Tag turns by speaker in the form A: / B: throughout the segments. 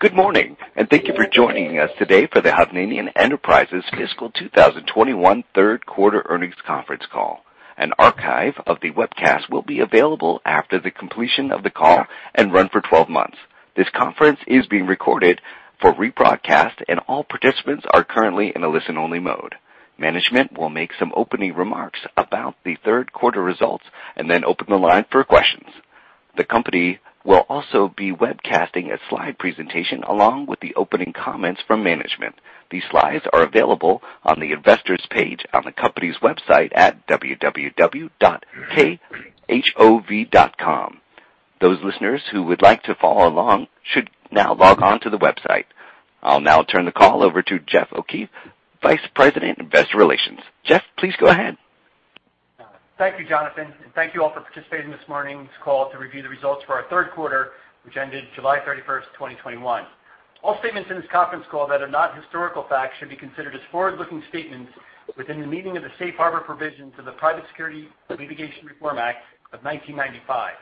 A: Good morning. Thank you for joining us today for the Hovnanian Enterprises fiscal 2021 third quarter earnings conference call. An archive of the webcast will be available after the completion of the call and run for 12 months. This conference is being recorded for rebroadcast, and all participants are currently in a listen-only mode. Management will make some opening remarks about the third quarter results and then open the line for questions. The company will also be webcasting a slide presentation along with the opening comments from management. These slides are available on the investors page on the company's website at www.khov.com. Those listeners who would like to follow along should now log on to the website. I'll now turn the call over to Jeffrey O'Keefe, Vice President of Investor Relations. Jeff, please go ahead.
B: Thank you, Jonathan, and thank you all for participating in this morning's call to review the results for our third quarter, which ended July 31st, 2021. All statements in this conference call that are not historical facts should be considered as forward-looking statements within the meaning of the safe harbor provisions of the Private Securities Litigation Reform Act of 1995.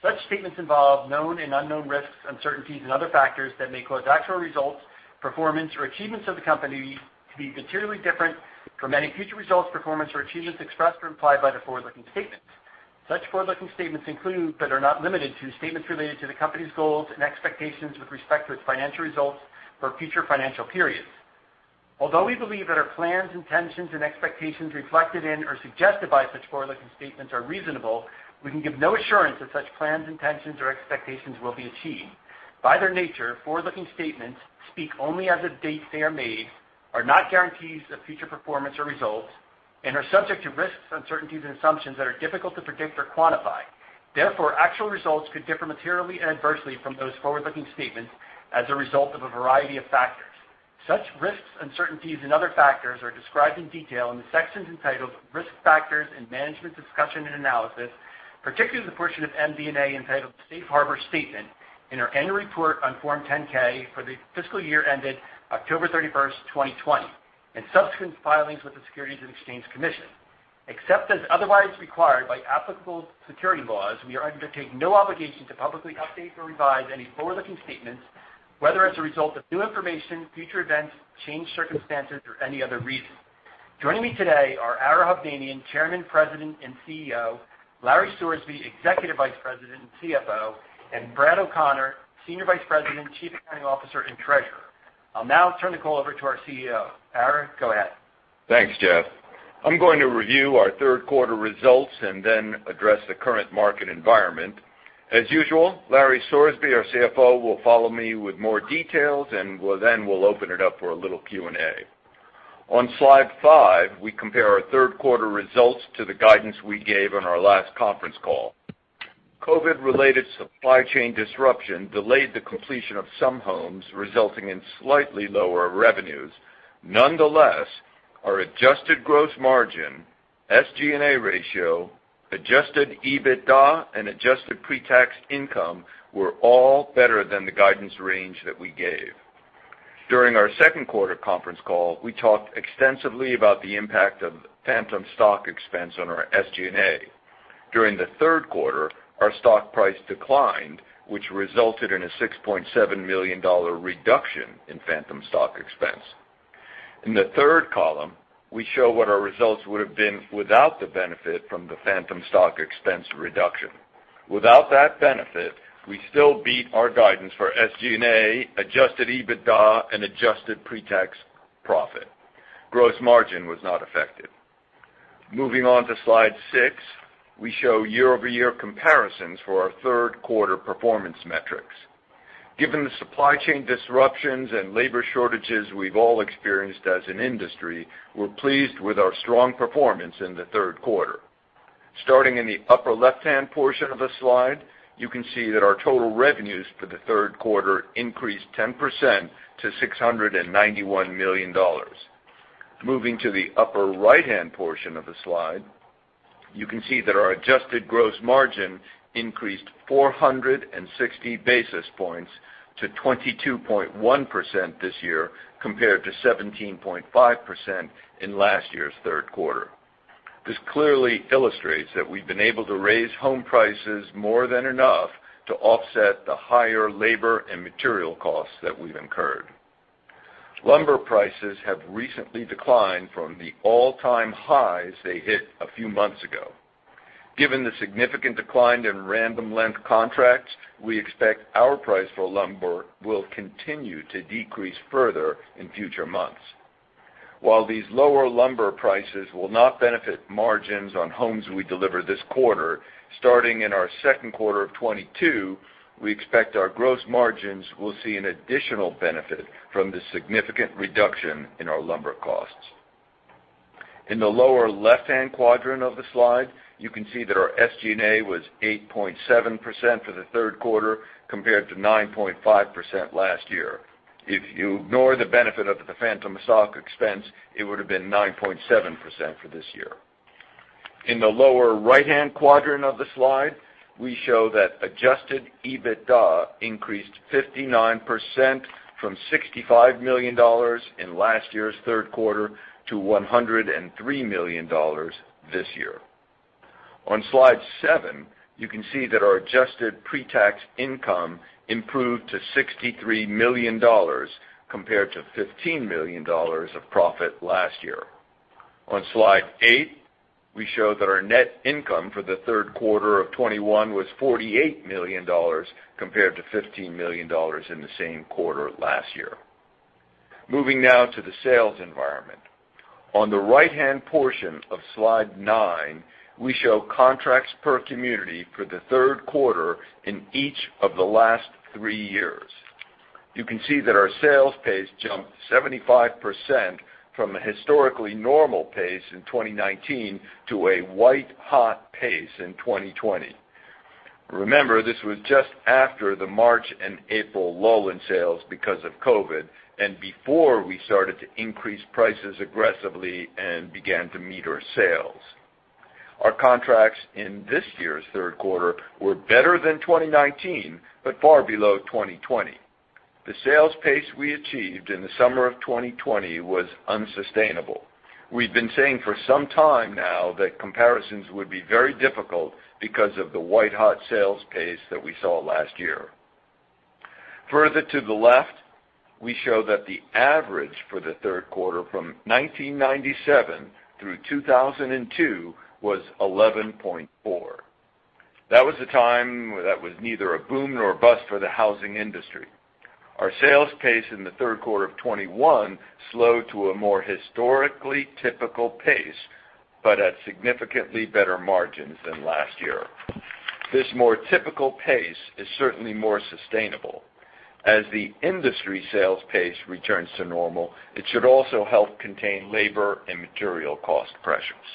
B: Such statements involve known and unknown risks, uncertainties and other factors that may cause actual results, performance, or achievements of the company to be materially different from any future results, performance or achievements expressed or implied by the forward-looking statements. Such forward-looking statements include, but are not limited to, statements related to the company's goals and expectations with respect to its financial results for future financial periods. Although we believe that our plans, intentions, and expectations reflected in or suggested by such forward-looking statements are reasonable, we can give no assurance that such plans, intentions, or expectations will be achieved. By their nature, forward-looking statements speak only as of dates they are made, are not guarantees of future performance or results, and are subject to risks, uncertainties, and assumptions that are difficult to predict or quantify. Therefore, actual results could differ materially and adversely from those forward-looking statements as a result of a variety of factors. Such risks, uncertainties, and other factors are described in detail in the sections entitled Risk Factors and Management Discussion and Analysis, particularly the portion of MD&A entitled Safe Harbor Statement in our annual report on Form 10-K for the fiscal year ended October 31st, 2020, and subsequent filings with the Securities and Exchange Commission. Except as otherwise required by applicable security laws, we undertake no obligation to publicly update or revise any forward-looking statements, whether as a result of new information, future events, changed circumstances, or any other reason. Joining me today are Ara Hovnanian, Chairman, President, and CEO, Larry Sorsby, Executive Vice President and CFO, and Brad O'Connor, Senior Vice President, Chief Accounting Officer, and Treasurer. I'll now turn the call over to our CEO. Ara, go ahead.
C: Thanks, Jeff. I'm going to review our third quarter results. Then we'll address the current market environment. As usual, Larry Sorsby, our CFO, will follow me with more details, and then we'll open it up for a little Q&A. On slide five, we compare our third quarter results to the guidance we gave on our last conference call. COVID-related supply chain disruption delayed the completion of some homes, resulting in slightly lower revenues. Nonetheless, our adjusted gross margin, SG&A ratio, adjusted EBITDA, and adjusted pre-tax income were all better than the guidance range that we gave. During our second quarter conference call, we talked extensively about the impact of phantom stock expense on our SG&A. During the third quarter, our stock price declined, which resulted in a $6.7 million reduction in phantom stock expense. In the third column, we show what our results would've been without the benefit from the phantom stock expense reduction. Without that benefit, we still beat our guidance for SG&A, adjusted EBITDA, and adjusted pre-tax profit. Gross margin was not affected. Moving on to slide six, we show year-over-year comparisons for our third quarter performance metrics. Given the supply chain disruptions and labor shortages we've all experienced as an industry, we're pleased with our strong performance in the third quarter. Starting in the upper left-hand portion of the slide, you can see that our total revenues for the third quarter increased 10% to $691 million. Moving to the upper right-hand portion of the slide, you can see that our adjusted gross margin increased 460 basis points to 22.1% this year, compared to 17.5% in last year's third quarter. This clearly illustrates that we've been able to raise home prices more than enough to offset the higher labor and material costs that we've incurred. Lumber prices have recently declined from the all-time highs they hit a few months ago. Given the significant decline in random length contracts, we expect our price for lumber will continue to decrease further in future months. While these lower lumber prices will not benefit margins on homes we deliver this quarter, starting in our second quarter of 2022, we expect our gross margins will see an additional benefit from the significant reduction in our lumber costs. In the lower left-hand quadrant of the slide, you can see that our SG&A was 8.7% for the third quarter, compared to 9.5% last year. If you ignore the benefit of the phantom stock expense, it would've been 9.7% for this year. In the lower right-hand quadrant of the slide, we show that adjusted EBITDA increased 59%, from $65 million in last year's third quarter to $103 million this year. On slide seven, you can see that our adjusted pre-tax income improved to $63 million compared to $15 million of profit last year. On slide eight, we show that our net income for the third quarter of 2021 was $48 million compared to $15 million in the same quarter last year. Moving now to the sales environment. On the right-hand portion of slide nine, we show contracts per community for the third quarter in each of the last three years. You can see that our sales pace jumped 75% from a historically normal pace in 2019 to a white-hot pace in 2020. Remember, this was just after the March and April lull in sales because of COVID, and before we started to increase prices aggressively and began to meter sales. Our contracts in this year's third quarter were better than 2019, but far below 2020. The sales pace we achieved in the summer of 2020 was unsustainable. We've been saying for some time now that comparisons would be very difficult because of the white-hot sales pace that we saw last year. Further to the left, we show that the average for the third quarter from 1997 through 2002 was 11.4. That was a time that was neither a boom nor bust for the housing industry. Our sales pace in the third quarter of 2021 slowed to a more historically typical pace, but at significantly better margins than last year. This more typical pace is certainly more sustainable. As the industry sales pace returns to normal, it should also help contain labor and material cost pressures.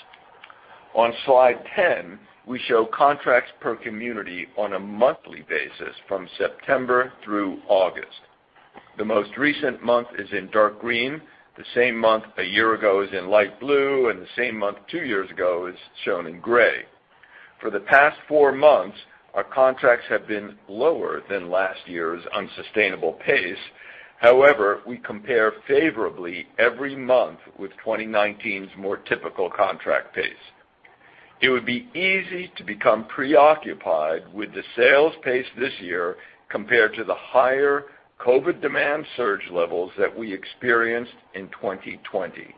C: On slide 10, we show contracts per community on a monthly basis from September through August. The most recent month is in dark green, the same month a year ago is in light blue, and the same month two years ago is shown in gray. For the past four months, our contracts have been lower than last year's unsustainable pace. We compare favorably every month with 2019's more typical contract pace. It would be easy to become preoccupied with the sales pace this year compared to the higher COVID demand surge levels that we experienced in 2020.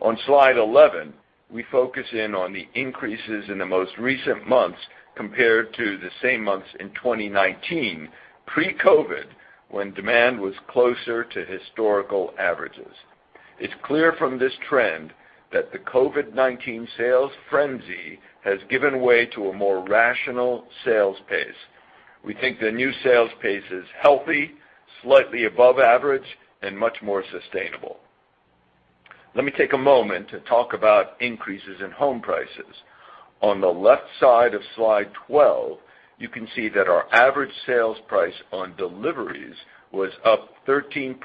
C: On slide 11, we focus in on the increases in the most recent months compared to the same months in 2019, pre-COVID, when demand was closer to historical averages. It's clear from this trend that the COVID-19 sales frenzy has given way to a more rational sales pace. We think the new sales pace is healthy, slightly above average, and much more sustainable. Let me take a moment to talk about increases in home prices. On the left side of slide 12, you can see that our average sales price on deliveries was up 13%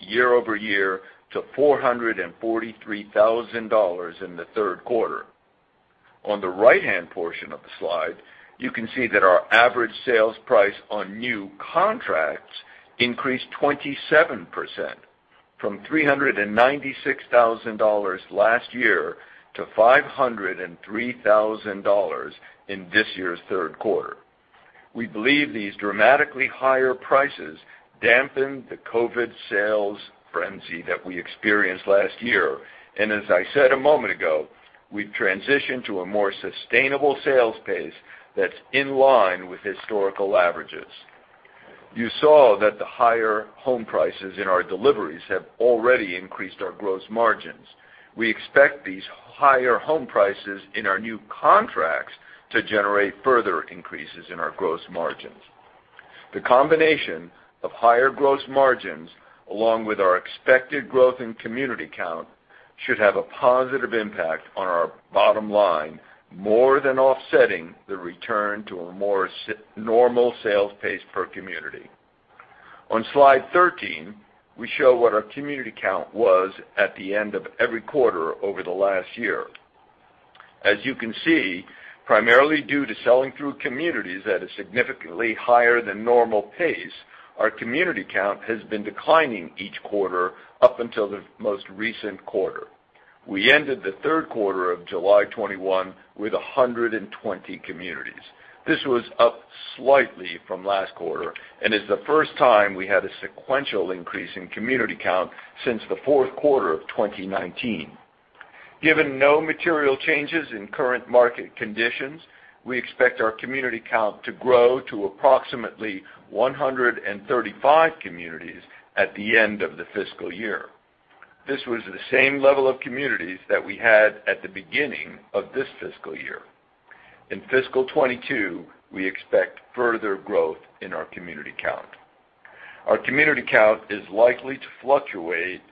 C: year-over-year to $443,000 in the third quarter. On the right-hand portion of the slide, you can see that our average sales price on new contracts increased 27%, from $396,000 last year to $503,000 in this year's third quarter. We believe these dramatically higher prices dampened the COVID sales frenzy that we experienced last year, and as I said a moment ago, we've transitioned to a more sustainable sales pace that's in line with historical averages. You saw that the higher home prices in our deliveries have already increased our gross margins. We expect these higher home prices in our new contracts to generate further increases in our gross margins. The combination of higher gross margins, along with our expected growth in community count, should have a positive impact on our bottom line, more than offsetting the return to a more normal sales pace per community. On slide 13, we show what our community count was at the end of every quarter over the last year. As you can see, primarily due to selling through communities at a significantly higher than normal pace, our community count has been declining each quarter up until the most recent quarter. We ended the third quarter of July 2021 with 120 communities. This was up slightly from last quarter and is the first time we had a sequential increase in community count since the fourth quarter of 2019. Given no material changes in current market conditions, we expect our community count to grow to approximately 135 communities at the end of the fiscal year. This was the same level of communities that we had at the beginning of this fiscal year. In fiscal 2022, we expect further growth in our community count. Our community count is likely to fluctuate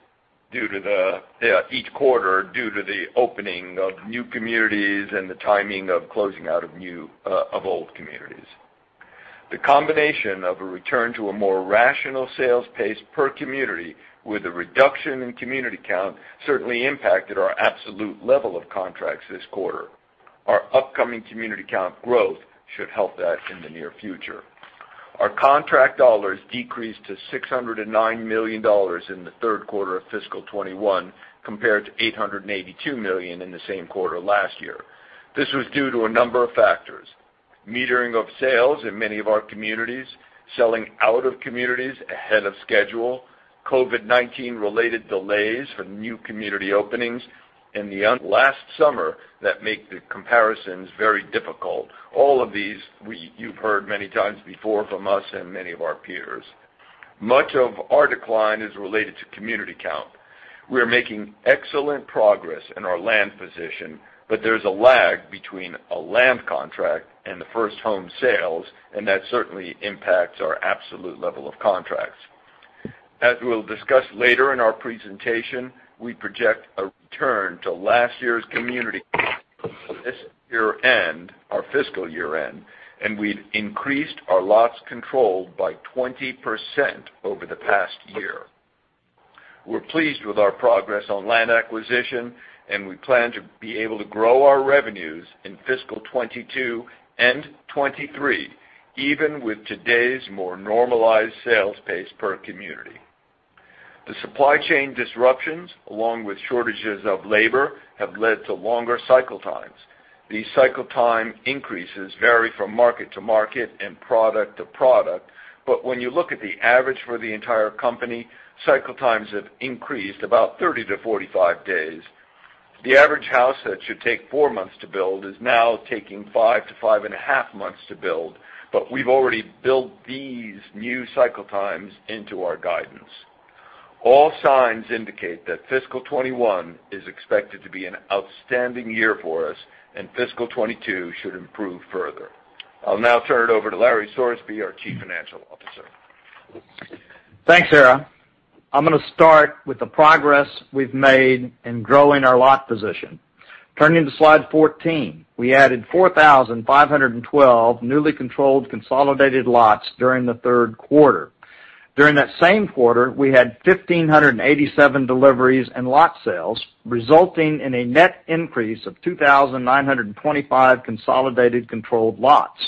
C: each quarter due to the opening of new communities and the timing of closing out of old communities. The combination of a return to a more rational sales pace per community with a reduction in community count certainly impacted our absolute level of contracts this quarter. Our upcoming community count growth should help that in the near future. Our contract dollars decreased to $609 million in the third quarter of fiscal 2021, compared to $882 million in the same quarter last year. This was due to a number of factors. Metering of sales in many of our communities, selling out of communities ahead of schedule, COVID-19 related delays for new community openings in the last summer that make the comparisons very difficult. All of these, you've heard many times before from us and many of our peers. Much of our decline is related to community count. We are making excellent progress in our land position, but there's a lag between a land contract and the first home sales, and that certainly impacts our absolute level of contracts. As we'll discuss later in our presentation, we project a return to last year's community this year end, our fiscal year end, and we've increased our lots controlled by 20% over the past year. We're pleased with our progress on land acquisition, and we plan to be able to grow our revenues in fiscal 2022 and 2023, even with today's more normalized sales pace per community. The supply chain disruptions, along with shortages of labor, have led to longer cycle times. These cycle time increases vary from market-to-market and product-to-product. When you look at the average for the entire company, cycle times have increased about 30-45 days. The average house that should take four months to build is now taking 5-5.5 Months to build, but we've already built these new cycle times into our guidance. All signs indicate that fiscal 2021 is expected to be an outstanding year for us, and fiscal 2022 should improve further. I'll now turn it over to Larry Sorsby, our Chief Financial Officer.
D: Thanks, Ara. I'm going to start with the progress we've made in growing our lot position. Turning to slide 14, we added 4,512 newly-controlled consolidated lots during the third quarter. During that same quarter, we had 1,587 deliveries and lot sales, resulting in a net increase of 2,925 consolidated controlled lots.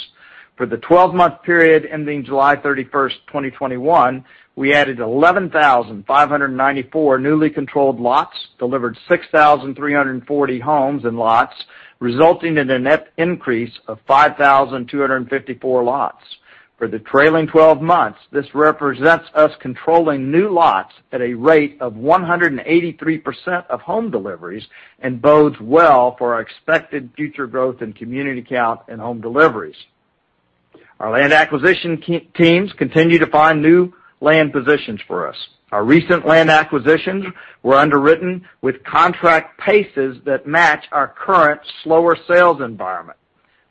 D: For the 12-month period ending July 31st, 2021, we added 11,594 newly controlled lots, delivered 6,340 homes and lots, resulting in a net increase of 5,254 lots. For the trailing 12 months, this represents us controlling new lots at a rate of 183% of home deliveries and bodes well for our expected future growth in community count and home deliveries. Our land acquisition teams continue to find new land positions for us. Our recent land acquisitions were underwritten with contract paces that match our current slower sales environment.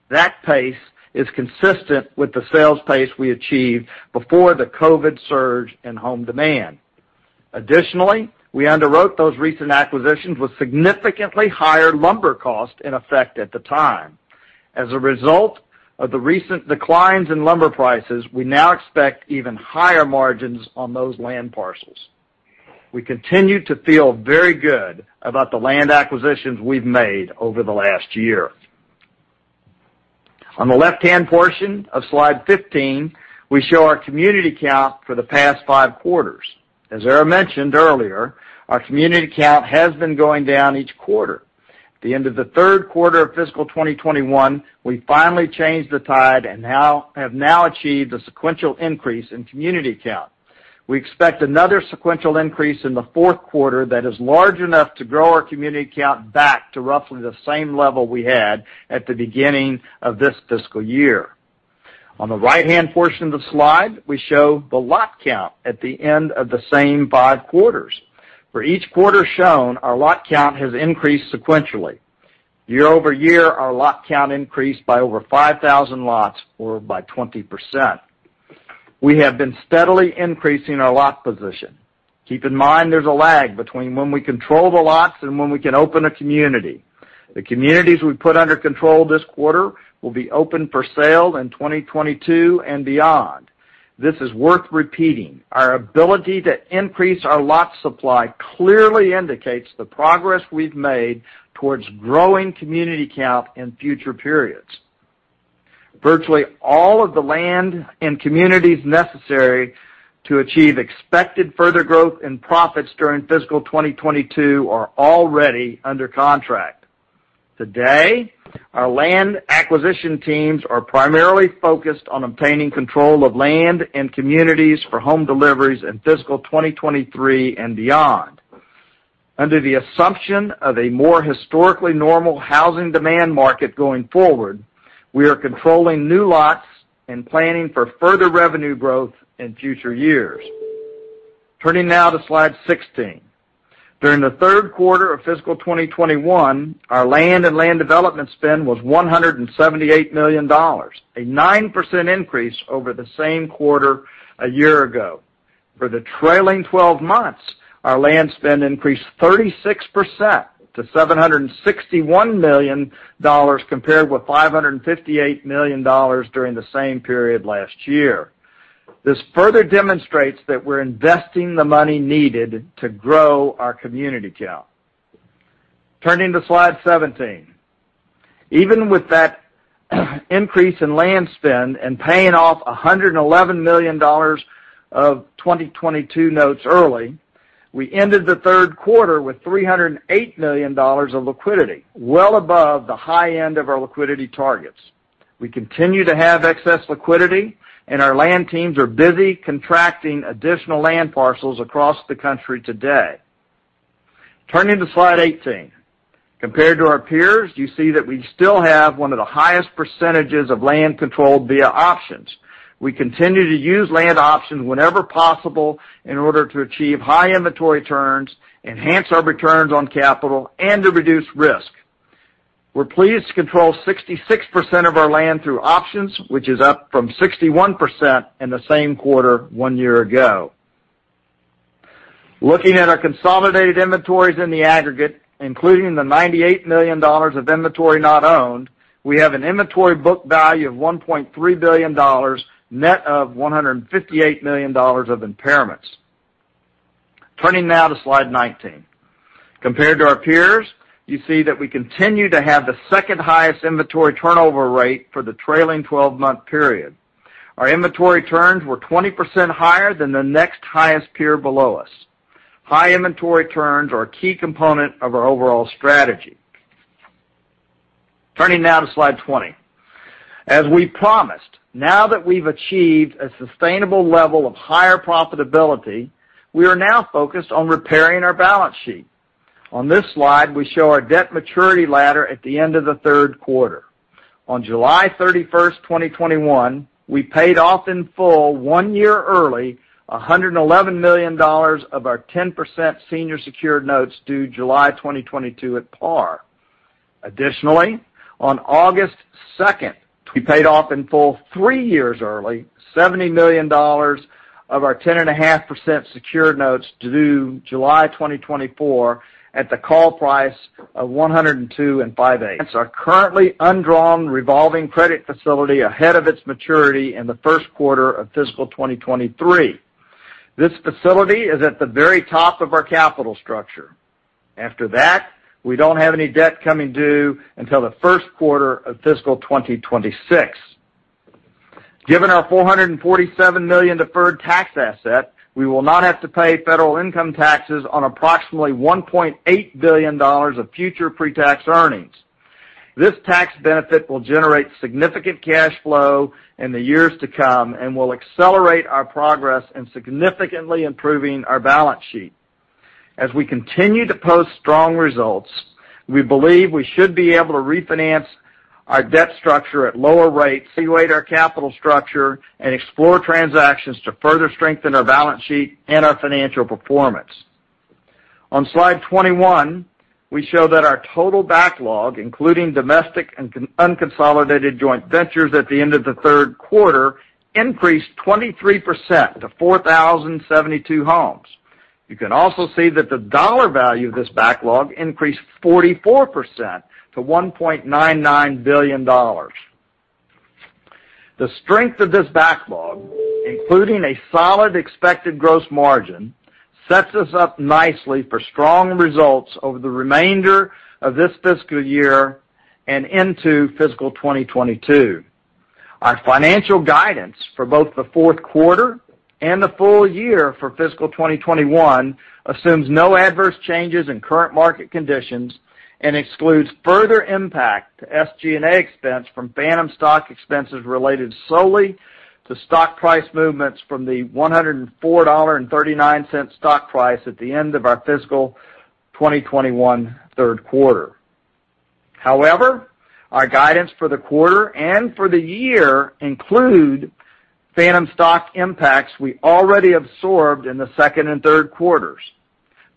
D: That pace is consistent with the sales pace we achieved before the COVID surge and home demand. Additionally, we underwrote those recent acquisitions with significantly higher lumber cost in effect at the time. As a result of the recent declines in lumber prices, we now expect even higher margins on those land parcels. We continue to feel very good about the land acquisitions we've made over the last year. On the left-hand portion of slide 15, we show our community count for the past five quarters. As Ara mentioned earlier, our community count has been going down each quarter. At the end of the third quarter of fiscal 2021, we finally changed the tide and have now achieved a sequential increase in community count. We expect another sequential increase in the fourth quarter that is large enough to grow our community count back to roughly the same level we had at the beginning of this fiscal year. On the right-hand portion of the slide, we show the lot count at the end of the same five quarters. For each quarter shown, our lot count has increased sequentially. Year-over-year, our lot count increased by over 5,000 lots or by 20%. We have been steadily increasing our lot position. Keep in mind there's a lag between when we control the lots and when we can open a community. The communities we put under control this quarter will be open for sale in 2022 and beyond. This is worth repeating. Our ability to increase our lot supply clearly indicates the progress we've made towards growing community count in future periods. Virtually all of the land and communities necessary to achieve expected further growth and profits during fiscal 2022 are already under contract. Today, our land acquisition teams are primarily focused on obtaining control of land and communities for home deliveries in fiscal 2023 and beyond. Under the assumption of a more historically normal housing demand market going forward, we are controlling new lots and planning for further revenue growth in future years. Turning now to slide 16. During the third quarter of fiscal 2021, our land and land development spend was $178 million, a 9% increase over the same quarter a year ago. For the trailing 12 months, our land spend increased 36% to $761 million, compared with $558 million during the same period last year. This further demonstrates that we're investing the money needed to grow our community count. Turning to slide 17. Even with that increase in land spend and paying off $111 million of 2022 notes early, we ended the third quarter with $308 million of liquidity, well above the high end of our liquidity targets. We continue to have excess liquidity, and our land teams are busy contracting additional land parcels across the country today. Turning to slide 18. Compared to our peers, you see that we still have one of the highest percentages of land controlled via options. We continue to use land options whenever possible in order to achieve high inventory turns, enhance our returns on capital, and to reduce risk. We're pleased to control 66% of our land through options, which is up from 61% in the same quarter one year ago. Looking at our consolidated inventories in the aggregate, including the $98 million of inventory not owned, we have an inventory book value of $1.3 billion, net of $158 million of impairments. Turning now to slide 19. Compared to our peers, you see that we continue to have the second highest inventory turnover rate for the trailing 12-month period. Our inventory turns were 20% higher than the next highest peer below us. High inventory turns are a key component of our overall strategy. Turning now to slide 20. As we promised, now that we've achieved a sustainable level of higher profitability, we are now focused on repairing our balance sheet. On this slide, we show our debt maturity ladder at the end of the third quarter. On July 31st, 2021, we paid off in full, one year early, $111 million of our 10% senior secured notes due July 2022 at par. Additionally, on August 2nd, we paid off in full, three years early, $70 million of our 10.5% secured notes due July 2024 at the call price of $102.58. Our currently undrawn revolving credit facility ahead of its maturity in the first quarter of fiscal 2023. This facility is at the very top of our capital structure. After that, we don't have any debt coming due until the first quarter of fiscal 2026. Given our $447 million deferred tax asset, we will not have to pay federal income taxes on approximately $1.8 billion of future pre-tax earnings. This tax benefit will generate significant cash flow in the years to come and will accelerate our progress in significantly improving our balance sheet. As we continue to post strong results, we believe we should be able to refinance our debt structure at lower rates, evaluate our capital structure, and explore transactions to further strengthen our balance sheet and our financial performance. On slide 21, we show that our total backlog, including domestic and unconsolidated joint ventures at the end of the third quarter, increased 23% to 4,072 homes. You can also see that the dollar value of this backlog increased 44% to $1.99 billion. The strength of this backlog, including a solid expected gross margin, sets us up nicely for strong results over the remainder of this fiscal year and into fiscal 2022. Our financial guidance for both the fourth quarter and the full year for fiscal 2021 assumes no adverse changes in current market conditions and excludes further impact to SG&A expense from phantom stock expenses related solely to stock price movements from the $104.39 stock price at the end of our fiscal 2021 third quarter. However, our guidance for the quarter and for the year include phantom stock impacts we already absorbed in the second and third quarters.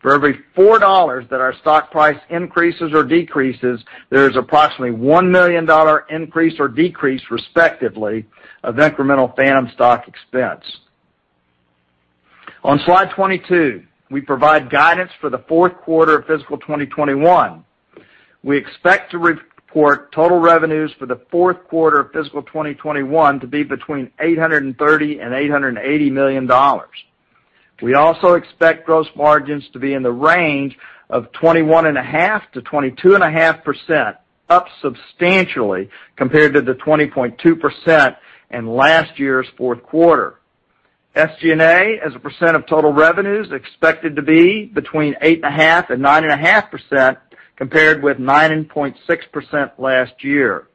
D: For every $4 that our stock price increases or decreases, there is approximately $1 million increase or decrease, respectively, of incremental phantom stock expense. On slide 22, we provide guidance for the fourth quarter of fiscal 2021. We expect to report total revenues for the fourth quarter of fiscal 2021 to be between $830 million and $880 million. We also expect gross margins to be in the range of 21.5%-22.5%, up substantially compared to the 20.2% in last year's fourth quarter. SG&A, as a percent of total revenues, expected to be between 8.5% and 9.5%, compared with 9.6% last year.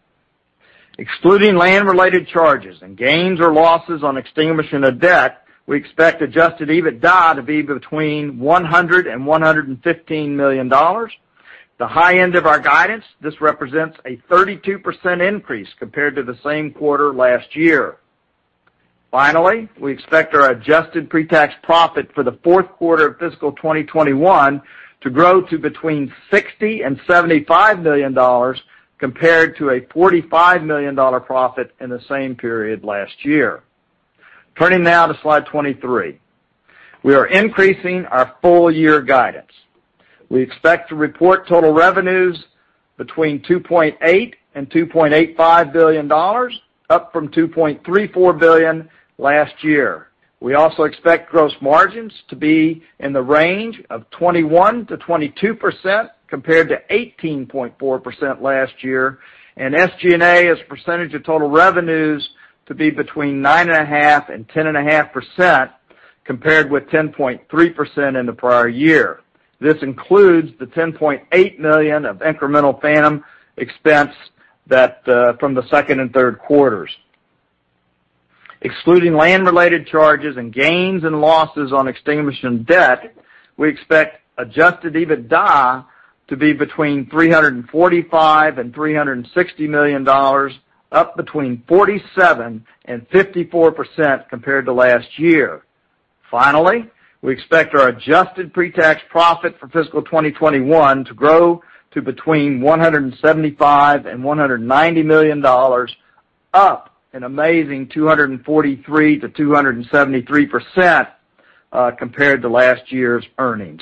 D: Excluding land-related charges and gains or losses on extinguishing of debt, we expect adjusted EBITDA to be between $100 million and $115 million. The high end of our guidance, this represents a 32% increase compared to the same quarter last year. Finally, we expect our adjusted pre-tax profit for the fourth quarter of fiscal 2021 to grow to between $60 million and $75 million, compared to a $45 million profit in the same period last year. Turning now to slide 23. We are increasing our full year guidance. We expect to report total revenues between $2.8 billion and $2.85 billion, up from $2.34 billion last year. We also expect gross margins to be in the range of 21%-22%, compared to 18.4% last year, and SG&A as a percentage of total revenues to be between 9.5%-10.5%, compared with 10.3% in the prior year. This includes the $10.8 million of incremental phantom expense from the second and third quarters. Excluding land-related charges and gains and losses on extinguished debt, we expect adjusted EBITDA to be between $345 million and $360 million, up between 47% and 54% compared to last year. Finally, we expect our adjusted pre-tax profit for fiscal 2021 to grow to between $175 million and $190 million, up an amazing 243%-273% compared to last year's earnings.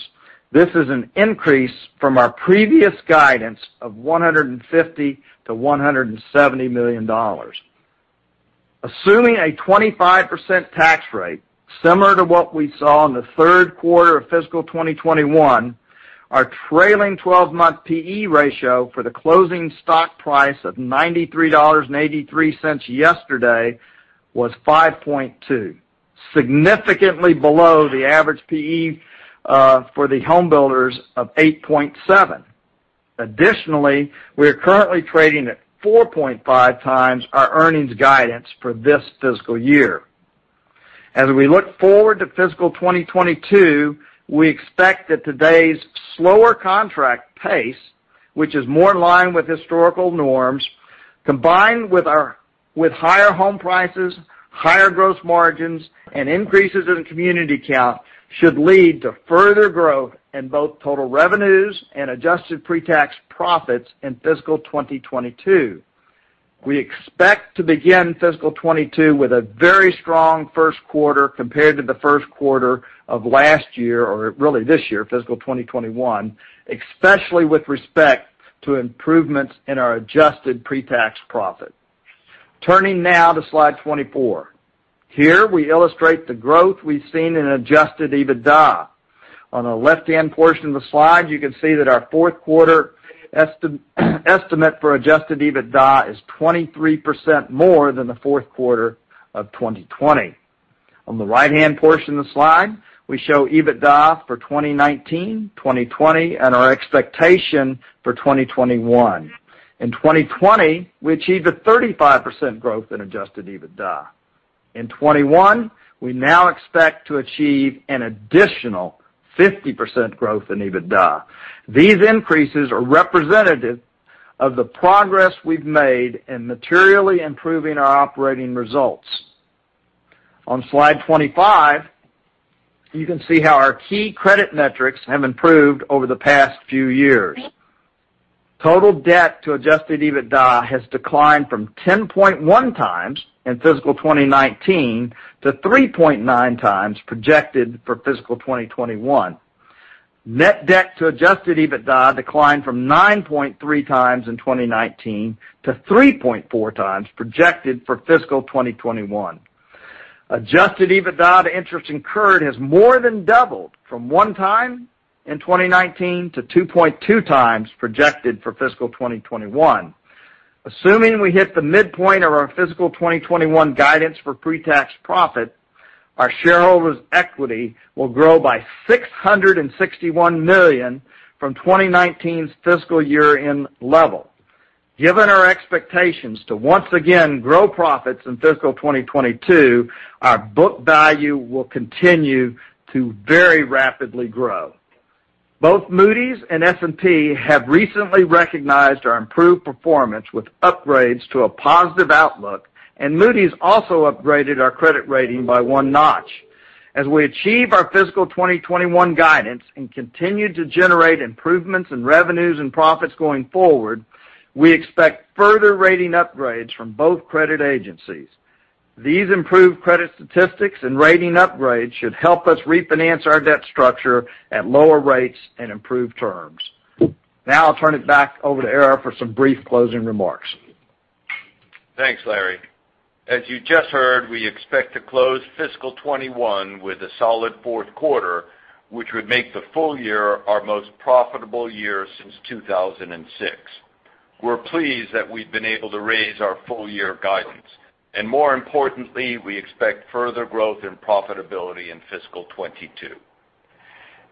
D: This is an increase from our previous guidance of $150 million-$170 million. Assuming a 25% tax rate similar to what we saw in the third quarter of fiscal 2021, our trailing 12-month P/E ratio for the closing stock price of $93.83 yesterday was 5.2, significantly below the average P/E for the home builders of 8.7. Additionally, we are currently trading at 4.5x our earnings guidance for this fiscal year. As we look forward to fiscal 2022, we expect that today's slower contract pace, which is more in line with historical norms, combined with higher home prices, higher gross margins, and increases in community count, should lead to further growth in both total revenues and adjusted pre-tax profits in fiscal 2022. We expect to begin fiscal 2022 with a very strong first quarter compared to the first quarter of last year, or really this year, fiscal 2021, especially with respect to improvements in our adjusted pre-tax profit. Turning now to slide 24. Here, we illustrate the growth we've seen in adjusted EBITDA. On the left-hand portion of the slide, you can see that our fourth quarter estimate for adjusted EBITDA is 23% more than the fourth quarter of 2020. On the right-hand portion of the slide, we show EBITDA for 2019, 2020, and our expectation for 2021. In 2020, we achieved a 35% growth in adjusted EBITDA. In 2021, we now expect to achieve an additional 50% growth in EBITDA. These increases are representative of the progress we've made in materially improving our operating results. On slide 25, you can see how our key credit metrics have improved over the past few years. Total debt to adjusted EBITDA has declined from 10.1x in fiscal 2019 to 3.9x projected for fiscal 2021. Net debt to adjusted EBITDA declined from 9.3x in 2019 to 3.4x projected for fiscal 2021. Adjusted EBITDA to interest incurred has more than doubled from 1x in 2019 to 2.2x projected for fiscal 2021. Assuming we hit the midpoint of our fiscal 2021 guidance for pre-tax profit, our shareholders' equity will grow by $661 million from 2019's fiscal year-end level. Given our expectations to once again grow profits in fiscal 2022, our book value will continue to very rapidly grow. Both Moody's and S&P have recently recognized our improved performance with upgrades to a positive outlook, and Moody's also upgraded our credit rating by 1 notch. As we achieve our fiscal 2021 guidance and continue to generate improvements in revenues and profits going forward, we expect further rating upgrades from both credit agencies. These improved credit statistics and rating upgrades should help us refinance our debt structure at lower rates and improved terms. Now I'll turn it back over to Ara for some brief closing remarks.
C: Thanks, Larry. As you just heard, we expect to close fiscal 2021 with a solid fourth quarter, which would make the full year our most profitable year since 2006. We're pleased that we've been able to raise our full-year guidance. More importantly, we expect further growth and profitability in fiscal 2022.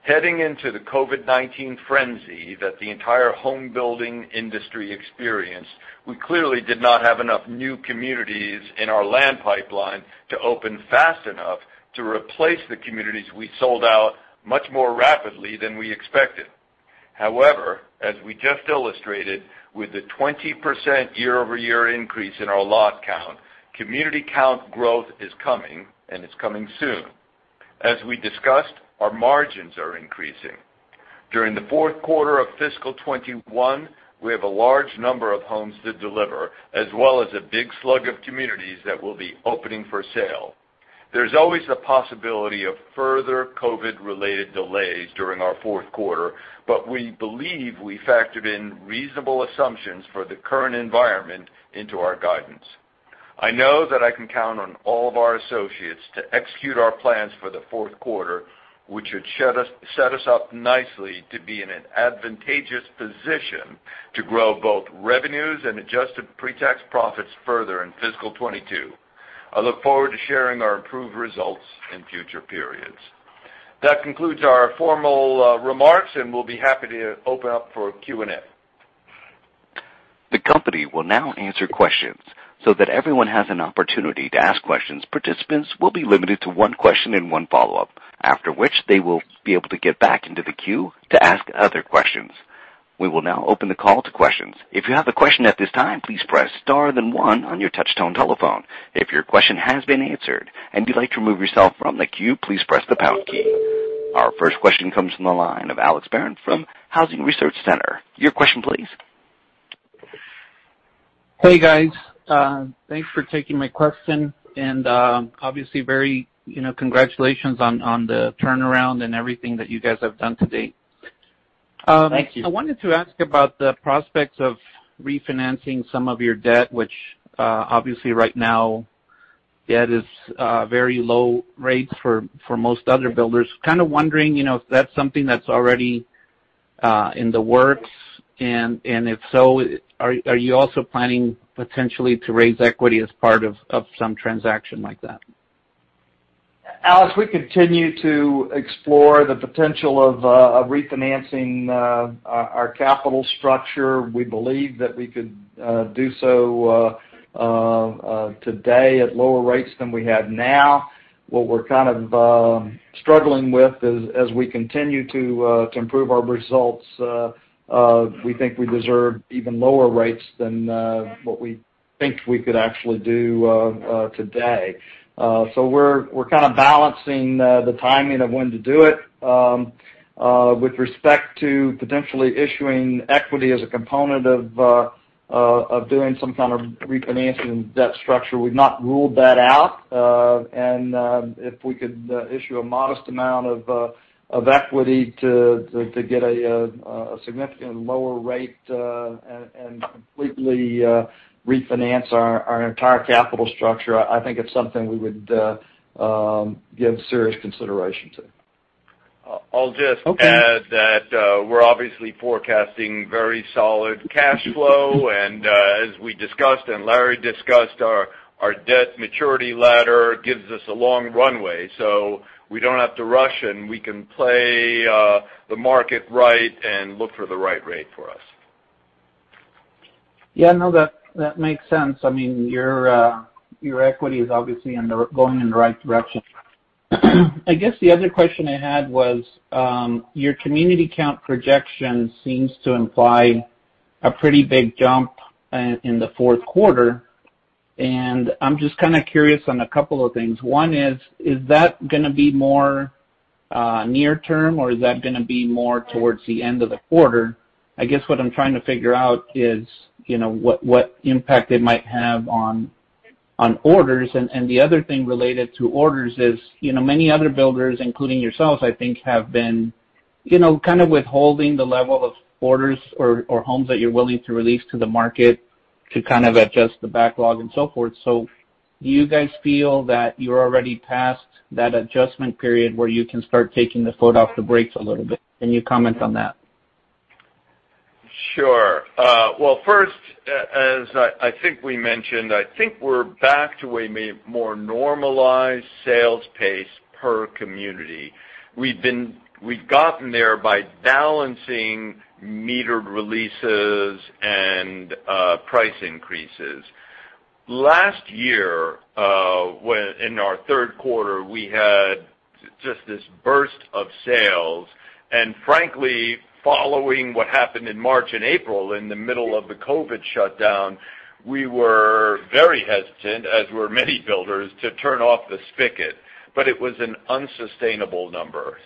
C: Heading into the COVID-19 frenzy that the entire home building industry experienced, we clearly did not have enough new communities in our land pipeline to open fast enough to replace the communities we sold out much more rapidly than we expected. However, as we just illustrated with the 20% year-over-year increase in our lot count, community count growth is coming. It's coming soon. As we discussed, our margins are increasing. During the fourth quarter of fiscal 2021, we have a large number of homes to deliver, as well as a big slug of communities that will be opening for sale. There's always the possibility of further COVID-related delays during our fourth quarter, but we believe we factored in reasonable assumptions for the current environment into our guidance. I know that I can count on all of our associates to execute our plans for the fourth quarter, which should set us up nicely to be in an advantageous position to grow both revenues and adjusted pre-tax profits further in fiscal 2022. I look forward to sharing our improved results in future periods. That concludes our formal remarks, and we'll be happy to open up for Q&A.
A: The company will now answer questions. That everyone has an opportunity to ask questions, participants will be limited to one question and one follow-up, after which they will be able to get back into the queue to ask other questions. We will now open the call to questions. If you have a question at this time, please press star then one on your touch tone telephone. If your question has been answered, and you'd like to remove yourself from the queue, please press the pound key. Our first question comes from the line of Alex Barron from Housing Research Center. Your question please.
E: Hey, guys. Thanks for taking my question, and obviously, congratulations on the turnaround and everything that you guys have done to date.
D: Thank you.
E: I wanted to ask about the prospects of refinancing some of your debt, which obviously right now debt is very low rates for most other builders. Kind of wondering if that's something that's already in the works, and if so, are you also planning potentially to raise equity as part of some transaction like that?
D: Alex, we continue to explore the potential of refinancing our capital structure. We believe that we could do so today at lower rates than we have now. What we're kind of struggling with as we continue to improve our results, we think we deserve even lower rates than what we think we could actually do today. We're kind of balancing the timing of when to do it. With respect to potentially issuing equity as a component of doing some kind of refinancing debt structure, we've not ruled that out. If we could issue a modest amount of equity to get a significantly lower rate, and completely refinance our entire capital structure, I think it's something we would give serious consideration to.
C: I'll just add that we're obviously forecasting very solid cash flow, and as we discussed, and Larry discussed, our debt maturity ladder gives us a long runway, so we don't have to rush, and we can play the market right and look for the right rate for us.
E: Yeah, no, that makes sense. Your equity is obviously going in the right direction. I guess the other question I had was, your community count projection seems to imply a pretty big jump in the fourth quarter, and I'm just kind of curious on a couple of things. One is that going to be more near term, or is that going to be more towards the end of the quarter? I guess what I'm trying to figure out is what impact it might have on orders. The other thing related to orders is, many other builders, including yourselves, I think, have been kind of withholding the level of orders or homes that you're willing to release to the market to kind of adjust the backlog and so forth. Do you guys feel that you're already past that adjustment period where you can start taking the foot off the brakes a little bit? Can you comment on that?
C: Sure. Well, first, as I think we mentioned, I think we're back to a more normalized sales pace per community. We've gotten there by balancing metered releases and price increases. Last year, in our third quarter, we had just this burst of sales. Frankly, following what happened in March and April, in the middle of the COVID shutdown, we were very hesitant, as were many builders, to turn off the spigot. It was an unsustainable number.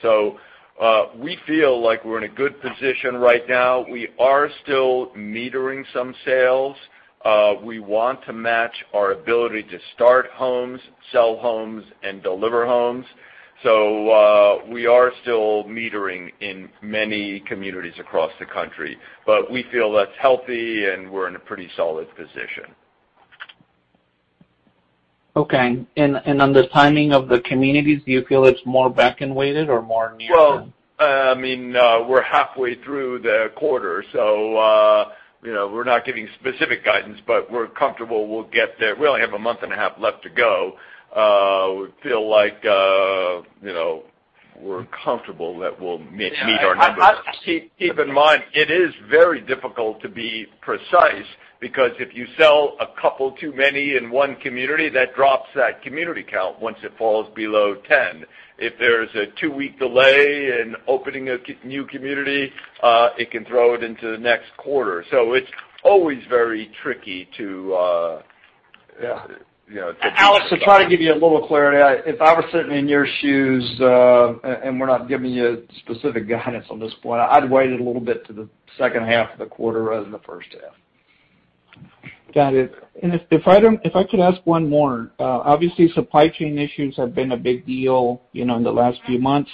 C: We feel like we're in a good position right now. We are still metering some sales. We want to match our ability to start homes, sell homes, and deliver homes. We are still metering in many communities across the country, but we feel that's healthy, and we're in a pretty solid position.
E: Okay. On the timing of the communities, do you feel it's more back-end weighted or more near term?
C: We're halfway through the quarter, so we're not giving specific guidance, but we're comfortable we'll get there. We only have a month and a half left to go. We feel like we're comfortable that we'll meet our numbers. Keep in mind, it is very difficult to be precise because if you sell a couple too many in one community, that drops that community count once it falls below 10. If there's a two-week delay in opening a new community, it can throw it into the next quarter. It's always very tricky to give you guidance. Yeah.
D: Alex, to try to give you a little clarity, if I were sitting in your shoes, and we're not giving you specific guidance on this point, I'd wait it a little bit to the second half of the quarter rather than the first half.
E: Got it. If I could ask one more. Obviously, supply chain issues have been a big deal in the last few months.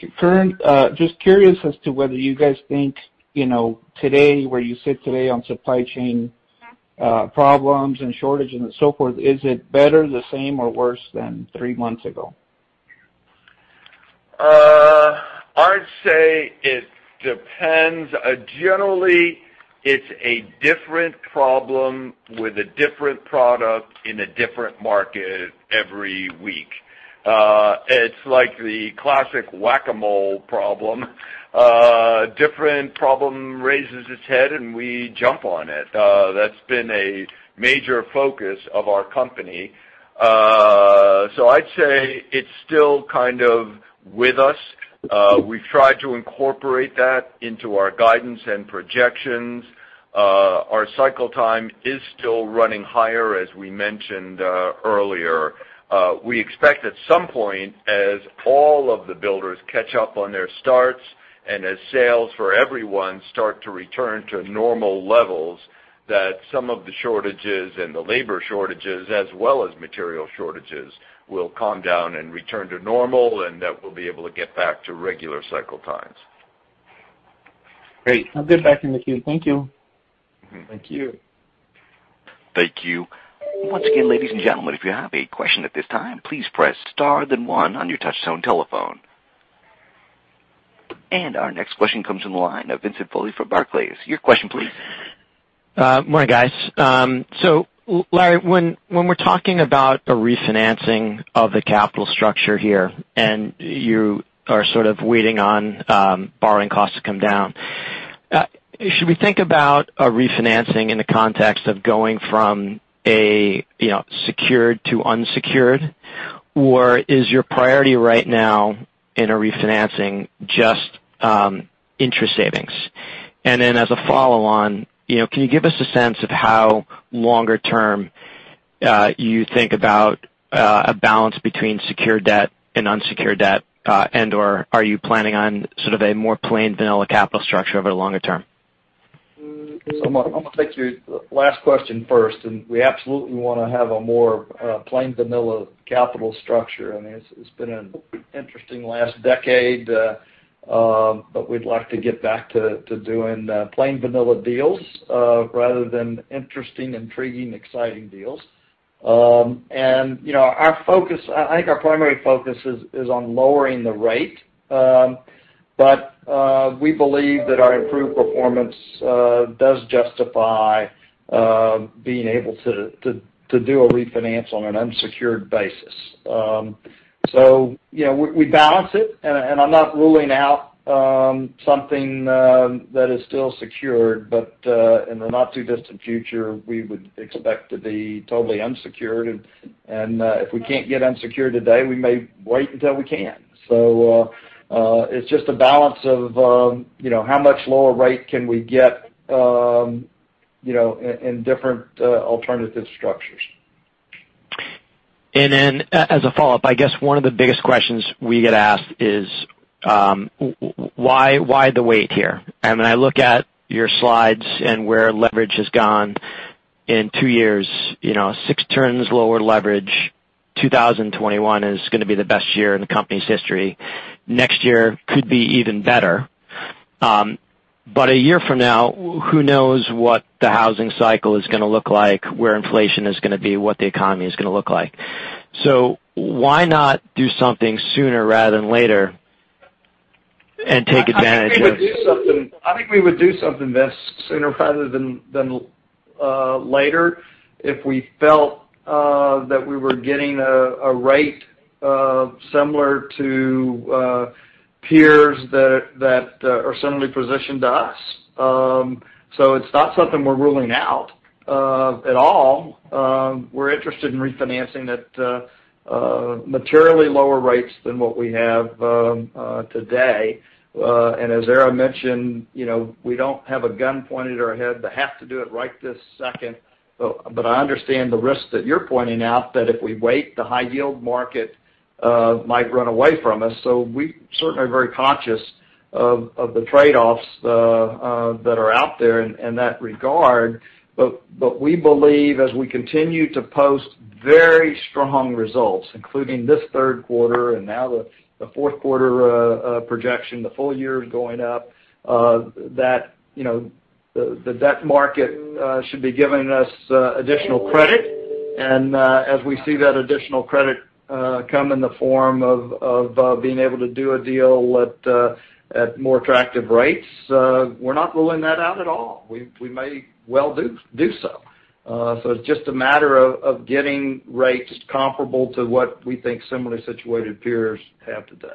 E: Just curious as to whether you guys think today, where you sit today on supply chain problems and shortages and so forth, is it better, the same, or worse than three months ago?
C: I'd say it depends. Generally, it's a different problem with a different product in a different market every week. It's like the classic whack-a-mole problem. A different problem raises its head, and we jump on it. That's been a major focus of our company. I'd say it's still kind of with us. We've tried to incorporate that into our guidance and projections. Our cycle time is still running higher, as we mentioned earlier. We expect at some point, as all of the builders catch up on their starts and as sales for everyone start to return to normal levels, that some of the shortages and the labor shortages, as well as material shortages, will calm down and return to normal, and that we'll be able to get back to regular cycle times.
E: Great. I'll get back in the queue. Thank you.
D: Thank you.
A: Thank you. Once again, ladies and gentlemen, if you have a question at this time, please press star then one on your touchtone telephone. Our next question comes from the line of Vincent Foley from Barclays. Your question please.
F: Morning, guys. Larry, when we're talking about a refinancing of the capital structure here, and you are sort of waiting on borrowing costs to come down, should we think about a refinancing in the context of going from a secured to unsecured? Is your priority right now in a refinancing just interest savings? As a follow-on, can you give us a sense of how longer term you think about a balance between secured debt and unsecured debt? Are you planning on sort of a more plain vanilla capital structure over the longer term?
D: I'm going to take your last question first, and we absolutely want to have a more plain vanilla capital structure. I mean, it's been an interesting last decade. We'd like to get back to doing plain vanilla deals rather than interesting, intriguing, exciting deals. I think our primary focus is on lowering the rate. We believe that our improved performance does justify being able to do a refinance on an unsecured basis. We balance it, and I'm not ruling out something that is still secured. In the not too distant future, we would expect to be totally unsecured. If we can't get unsecured today, we may wait until we can. It's just a balance of how much lower rate can we get in different alternative structures.
F: As a follow-up, I guess one of the biggest questions we get asked is why the wait here? When I look at your slides and where leverage has gone in two years, six turns lower leverage, 2021 is going to be the best year in the company's history. Next year could be even better. A year from now, who knows what the housing cycle is going to look like, where inflation is going to be, what the economy is going to look like. Why not do something sooner rather than later and take advantage of.
D: I think we would do something sooner rather than later if we felt that we were getting a rate similar to peers that are similarly positioned to us. It's not something we're ruling out at all. We're interested in refinancing at materially lower rates than what we have today. As Ara mentioned, we don't have a gun pointed at our head to have to do it right this second. I understand the risk that you're pointing out, that if we wait, the high yield market might run away from us. We certainly are very conscious of the trade-offs that are out there in that regard. We believe as we continue to post very strong results, including this third quarter and now the fourth quarter projection, the full year going up, that the debt market should be giving us additional credit. As we see that additional credit come in the form of being able to do a deal at more attractive rates, we're not ruling that out at all. We may well do so. It's just a matter of getting rates comparable to what we think similarly situated peers have today.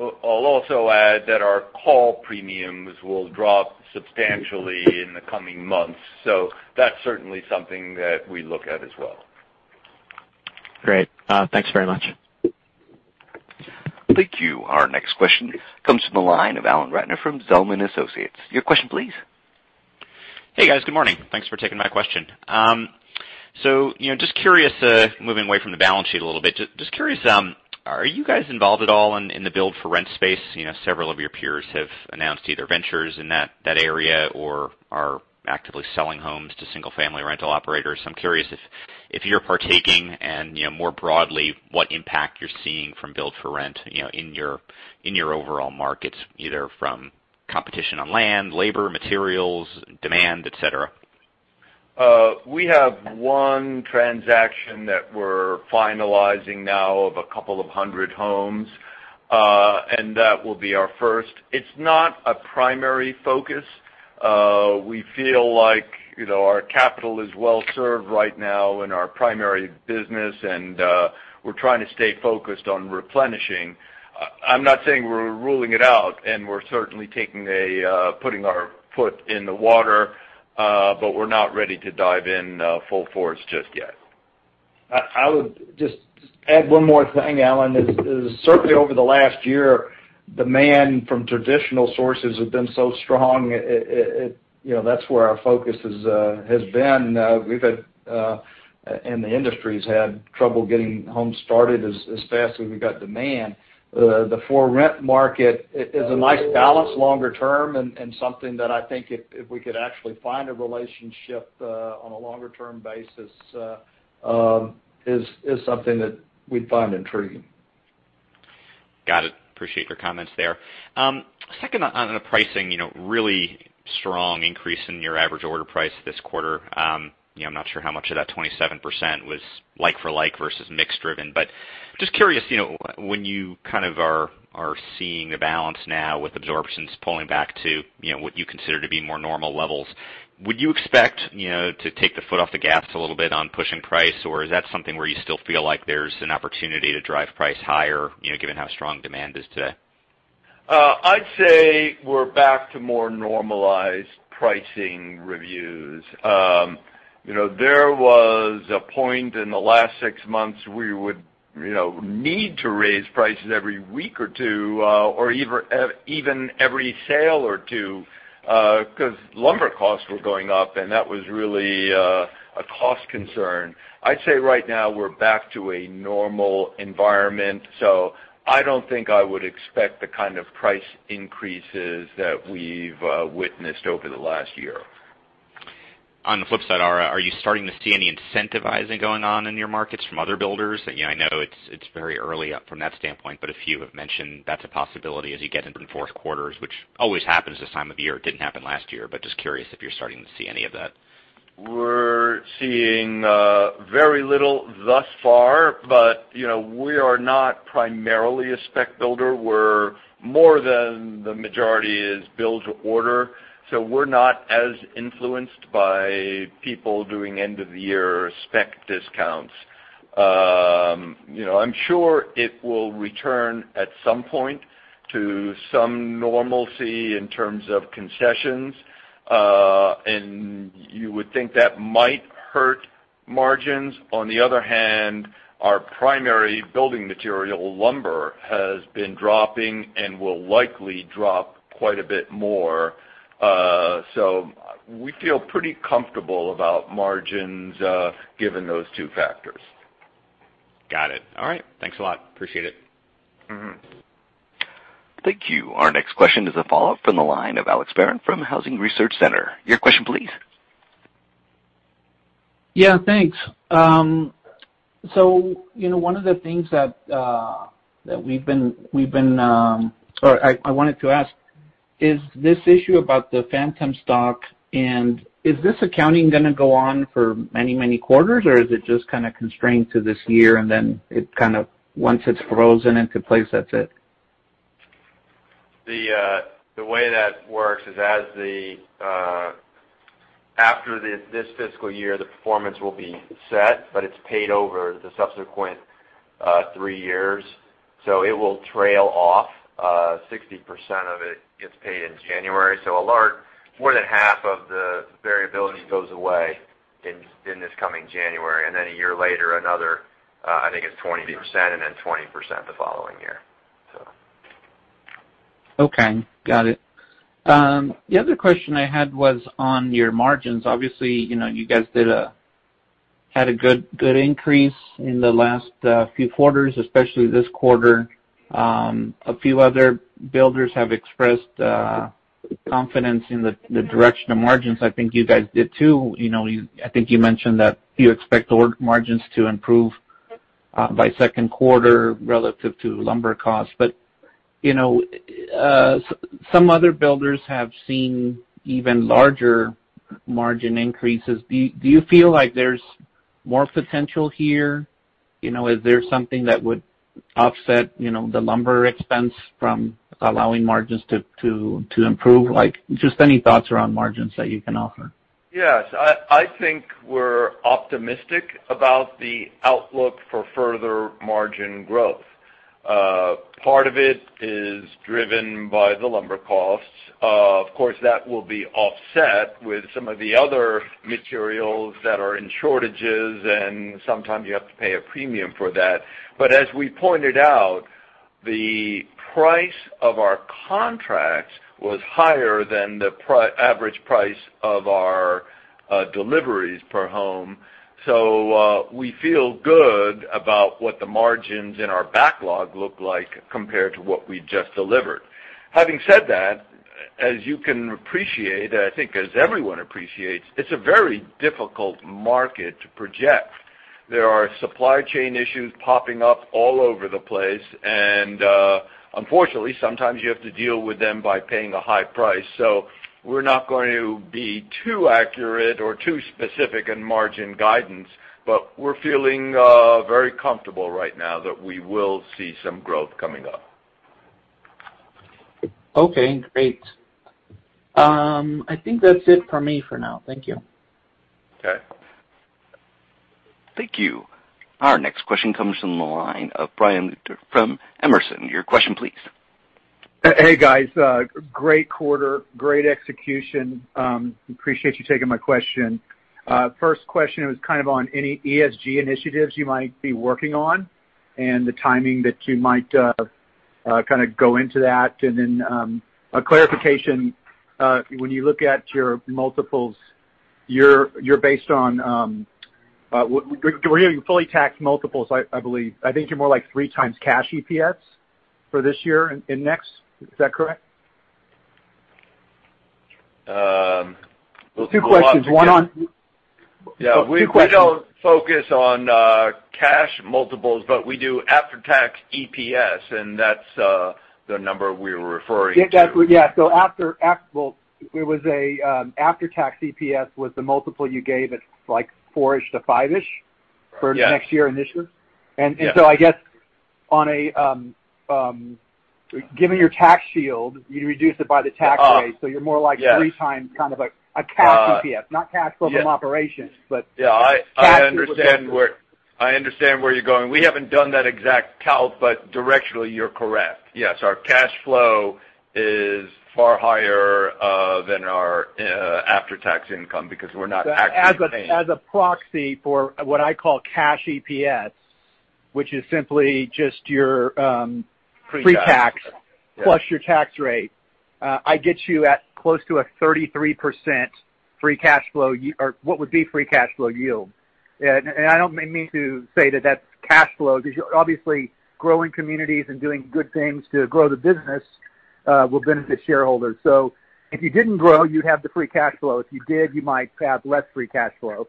C: I'll also add that our call premiums will drop substantially in the coming months. That's certainly something that we look at as well.
F: Great. Thanks very much.
A: Thank you. Our next question comes from the line of Alan Ratner from Zelman & Associates. Your question please.
G: Hey, guys. Good morning. Thanks for taking my question. Just curious, moving away from the balance sheet a little bit. Just curious, are you guys involved at all in the build for rent space? Several of your peers have announced either ventures in that area or are actively selling homes to single-family rental operators. I'm curious if you're partaking and more broadly, what impact you're seeing from build for rent in your overall markets, either from competition on land, labor, materials, demand, et cetera.
C: We have one transaction that we're finalizing now of a couple of hundred homes, and that will be our first. It's not a primary focus. We feel like our capital is well-served right now in our primary business, and we're trying to stay focused on replenishing. I'm not saying we're ruling it out, and we're certainly putting our foot in the water, but we're not ready to dive in full force just yet.
D: I would just add one more thing, Alan. Certainly over the last year, demand from traditional sources have been so strong. That's where our focus has been. We've had, and the industry's had, trouble getting homes started as fast as we've got demand. The for-rent market is a nice balance longer term, and something that I think if we could actually find a relationship on a longer-term basis, is something that we'd find intriguing.
G: Got it. Appreciate your comments there. Second, on the pricing, really strong increase in your average order price this quarter. I'm not sure how much of that 27% was like for like versus mix driven, but just curious, when you kind of are seeing the balance now with absorptions pulling back to what you consider to be more normal levels, would you expect to take the foot off the gas a little bit on pushing price, or is that something where you still feel like there's an opportunity to drive price higher, given how strong demand is today?
C: I'd say we're back to more normalized pricing reviews. There was a point in the last six months, we would need to raise prices every week or two, or even every sale or two, because lumber costs were going up, and that was really a cost concern. I'd say right now, we're back to a normal environment, so I don't think I would expect the kind of price increases that we've witnessed over the last year.
G: On the flip side, are you starting to see any incentivizing going on in your markets from other builders? I know it's very early from that standpoint, but a few have mentioned that's a possibility as you get into fourth quarters, which always happens this time of year. It didn't happen last year. Just curious if you're starting to see any of that.
C: We're seeing very little thus far, but we are not primarily a spec builder, where more than the majority is build to order. We're not as influenced by people doing end-of-the-year spec discounts. I'm sure it will return at some point to some normalcy in terms of concessions. You would think that might hurt margins. On the other hand, our primary building material, lumber, has been dropping and will likely drop quite a bit more. We feel pretty comfortable about margins given those two factors.
G: Got it. All right. Thanks a lot. Appreciate it.
A: Thank you. Our next question is a follow-up from the line of Alex Barron from Housing Research Center. Your question, please.
E: Yeah, thanks. One of the things that I wanted to ask, is this issue about the phantom stock, and is this accounting going to go on for many, many quarters, or is it just kind of constrained to this year, and then once it's frozen into place, that's it?
D: The way that works is after this fiscal year, the performance will be set, but it's paid over the subsequent three years. It will trail off. 60% of it gets paid in January. More than half of the variability goes away in this coming January. Then a year later, another, I think it's 20%, then 20% the following year.
E: Okay. Got it. The other question I had was on your margins. Obviously, you guys had a good increase in the last few quarters, especially this quarter. A few other builders have expressed confidence in the direction of margins. I think you guys did, too. I think you mentioned that you expect margins to improve by second quarter relative to lumber costs. Some other builders have seen even larger margin increases. Do you feel like there's more potential here? Is there something that would offset the lumber expense from allowing margins to improve? Just any thoughts around margins that you can offer.
C: Yes. I think we're optimistic about the outlook for further margin growth. Part of it is driven by the lumber costs. Of course, that will be offset with some of the other materials that are in shortages, and sometimes you have to pay a premium for that. As we pointed out. The price of our contracts was higher than the average price of our deliveries per home. We feel good about what the margins in our backlog look like compared to what we just delivered. Having said that, as you can appreciate, I think as everyone appreciates, it's a very difficult market to project. There are supply chain issues popping up all over the place, and unfortunately, sometimes you have to deal with them by paying a high price. We're not going to be too accurate or too specific in margin guidance, but we're feeling very comfortable right now that we will see some growth coming up.
E: Okay, great. I think that's it for me for now. Thank you.
C: Okay.
A: Thank you. Our next question comes from the line of Brian from Emerson. Your question, please.
H: Hey, guys. Great quarter, great execution. Appreciate you taking my question. First question was on any ESG initiatives you might be working on and the timing that you might go into that, and then a clarification. When you look at your multiples, We're hearing fully taxed multiples, I believe. I think you're more like 3x cash EPS for this year and next. Is that correct?
C: We'll go on to-
H: Two questions, one on-
C: Yeah.
H: Two questions.
C: We don't focus on cash multiples, but we do after-tax EPS, and that's the number we were referring to.
H: Exactly. Yeah. After-tax EPS was the multiple you gave, it's like four-ish to five-ish for next year initially.
C: Yes.
H: I guess, given your tax shield, you'd reduce it by the tax rate.
C: Yes.
H: You're more like 3x a cash EPS, not cash flow from operations.
C: Yeah.
H: Cash EPS.
C: I understand where you're going. We haven't done that exact calc, but directionally you're correct. Yes, our cash flow is far higher than our after-tax income because we're not actually paying.
H: As a proxy for what I call cash EPS, which is simply just your pre-tax-
C: Pre-tax. Yeah.
H: plus your tax rate, I get you at close to a 33% free cash flow, or what would be free cash flow yield. I don't mean to say that that's cash flow, because you're obviously growing communities and doing good things to grow the business will benefit shareholders. If you didn't grow, you'd have the free cash flow. If you did, you might have less free cash flow.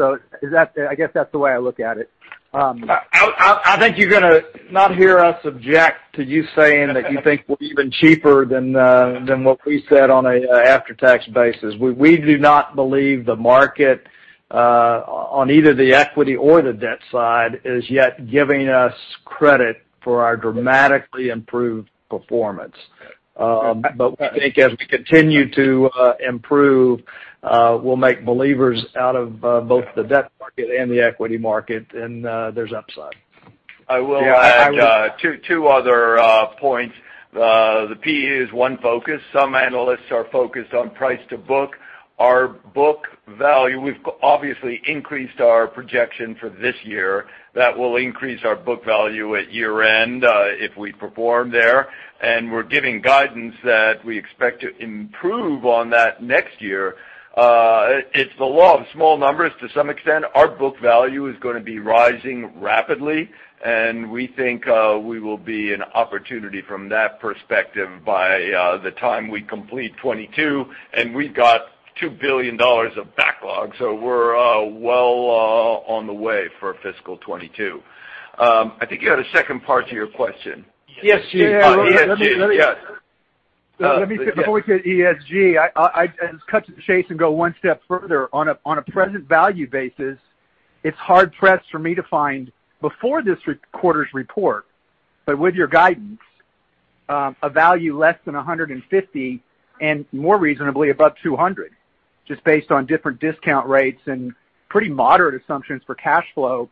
H: I guess that's the way I look at it.
D: I think you're going to not hear us object to you saying that you think we're even cheaper than what we said on an after-tax basis. We do not believe the market, on either the equity or the debt side, is yet giving us credit for our dramatically improved performance. We think as we continue to improve, we'll make believers out of both the debt market and the equity market, and there's upside.
C: I will add two other points. The P/E is one focus. Some analysts are focused on price to book. Our book value, we've obviously increased our projection for this year. That will increase our book value at year-end, if we perform there, and we're giving guidance that we expect to improve on that next year. It's the law of small numbers to some extent. Our book value is going to be rising rapidly, and we think we will be an opportunity from that perspective by the time we complete 2022, and we've got $2 billion of backlog. We're well on the way for fiscal 2022. I think you had a second part to your question.
H: Yes.
C: Oh, ESG, yes.
H: Before we hit ESG, I'll just cut to the chase and go one step further. On a present value basis, it's hard-pressed for me to find, before this quarter's report, but with your guidance, a value less than 150, and more reasonably above 200, just based on different discount rates and pretty moderate assumptions for cash flow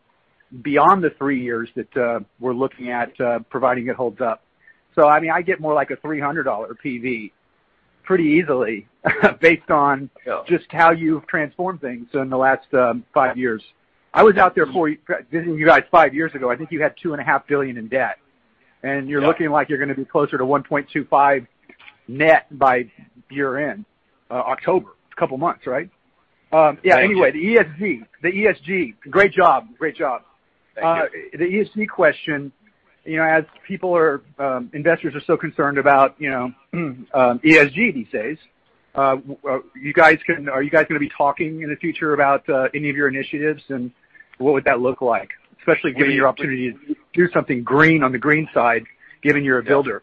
H: beyond the three years that we're looking at, providing it holds up. I get more like a $300 PV pretty easily.
C: Yeah.
H: just how you've transformed things in the last five years. I was out there visiting you guys five years ago. I think you had $2.5 billion in debt.
C: Yeah.
H: You're looking like you're going to be closer to $1.25 net by year-end, October. It's a couple months, right?
C: Thank you.
H: Yeah. Anyway, the ESG. Great job.
C: Thank you.
H: The ESG question, as investors are so concerned about ESG these days, are you guys going to be talking in the future about any of your initiatives, and what would that look like? Especially given your opportunity to do something green on the green side, given you're a builder.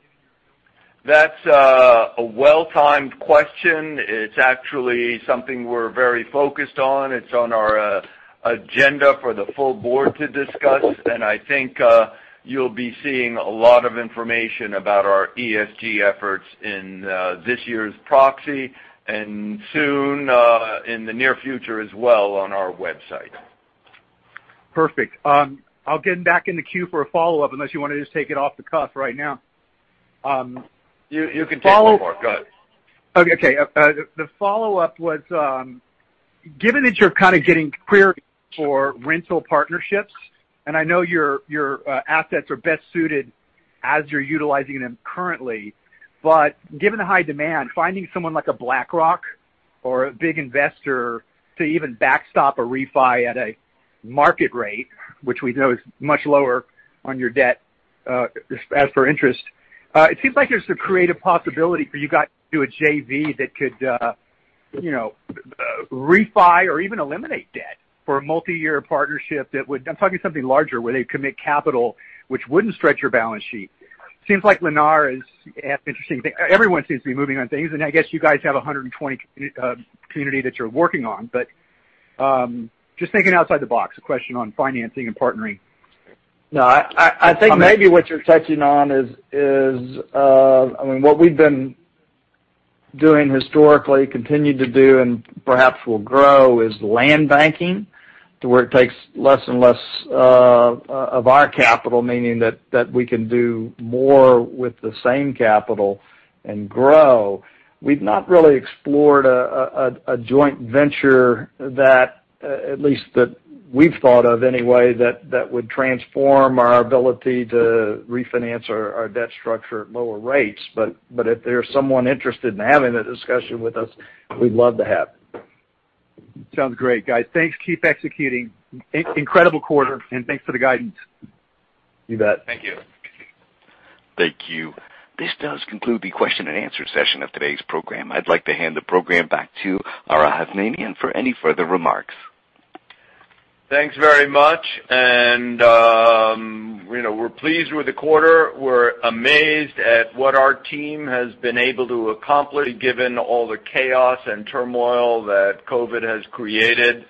C: That's a well-timed question. It's actually something we're very focused on. It's on our agenda for the full board to discuss, and I think you'll be seeing a lot of information about our ESG efforts in this year's proxy and soon, in the near future as well, on our website.
H: Perfect. I'll get back in the queue for a follow-up, unless you want to just take it off the cuff right now.
C: You can take one more. Go ahead.
H: Okay. The follow-up was, given that you're kind of getting queried for rental partnerships, and I know your assets are best suited as you're utilizing them currently, but given the high demand, finding someone like a BlackRock or a big investor to even backstop a refi at a market rate, which we know is much lower on your debt as for interest, it seems like there's a creative possibility for you guys to do a JV that could refi or even eliminate debt for a multi-year partnership. I'm talking something larger where they commit capital, which wouldn't stretch your balance sheet. Everyone seems to be moving on things. I guess you guys have 120 community that you're working on. Just thinking outside the box, a question on financing and partnering.
D: No, I think maybe what you're touching on is what we've been doing historically, continue to do, and perhaps will grow, is land banking to where it takes less and less of our capital, meaning that we can do more with the same capital and grow. We've not really explored a joint venture, at least that we've thought of anyway, that would transform our ability to refinance our debt structure at lower rates. If there's someone interested in having a discussion with us, we'd love to have it.
H: Sounds great, guys. Thanks. Keep executing. Incredible quarter. Thanks for the guidance.
D: You bet.
C: Thank you.
A: Thank you. This does conclude the question and answer session of today's program. I'd like to hand the program back to Ara Hovnanian for any further remarks.
C: Thanks very much. We're pleased with the quarter. We're amazed at what our team has been able to accomplish given all the chaos and turmoil that COVID has created.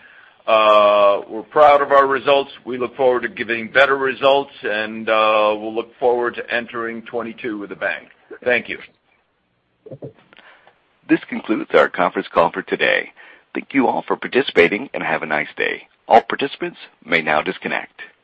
C: We're proud of our results. We look forward to giving better results, and we'll look forward to entering 2022 with a bang. Thank you.
A: This concludes our conference call for today. Thank you all for participating, and have a nice day. All participants may now disconnect.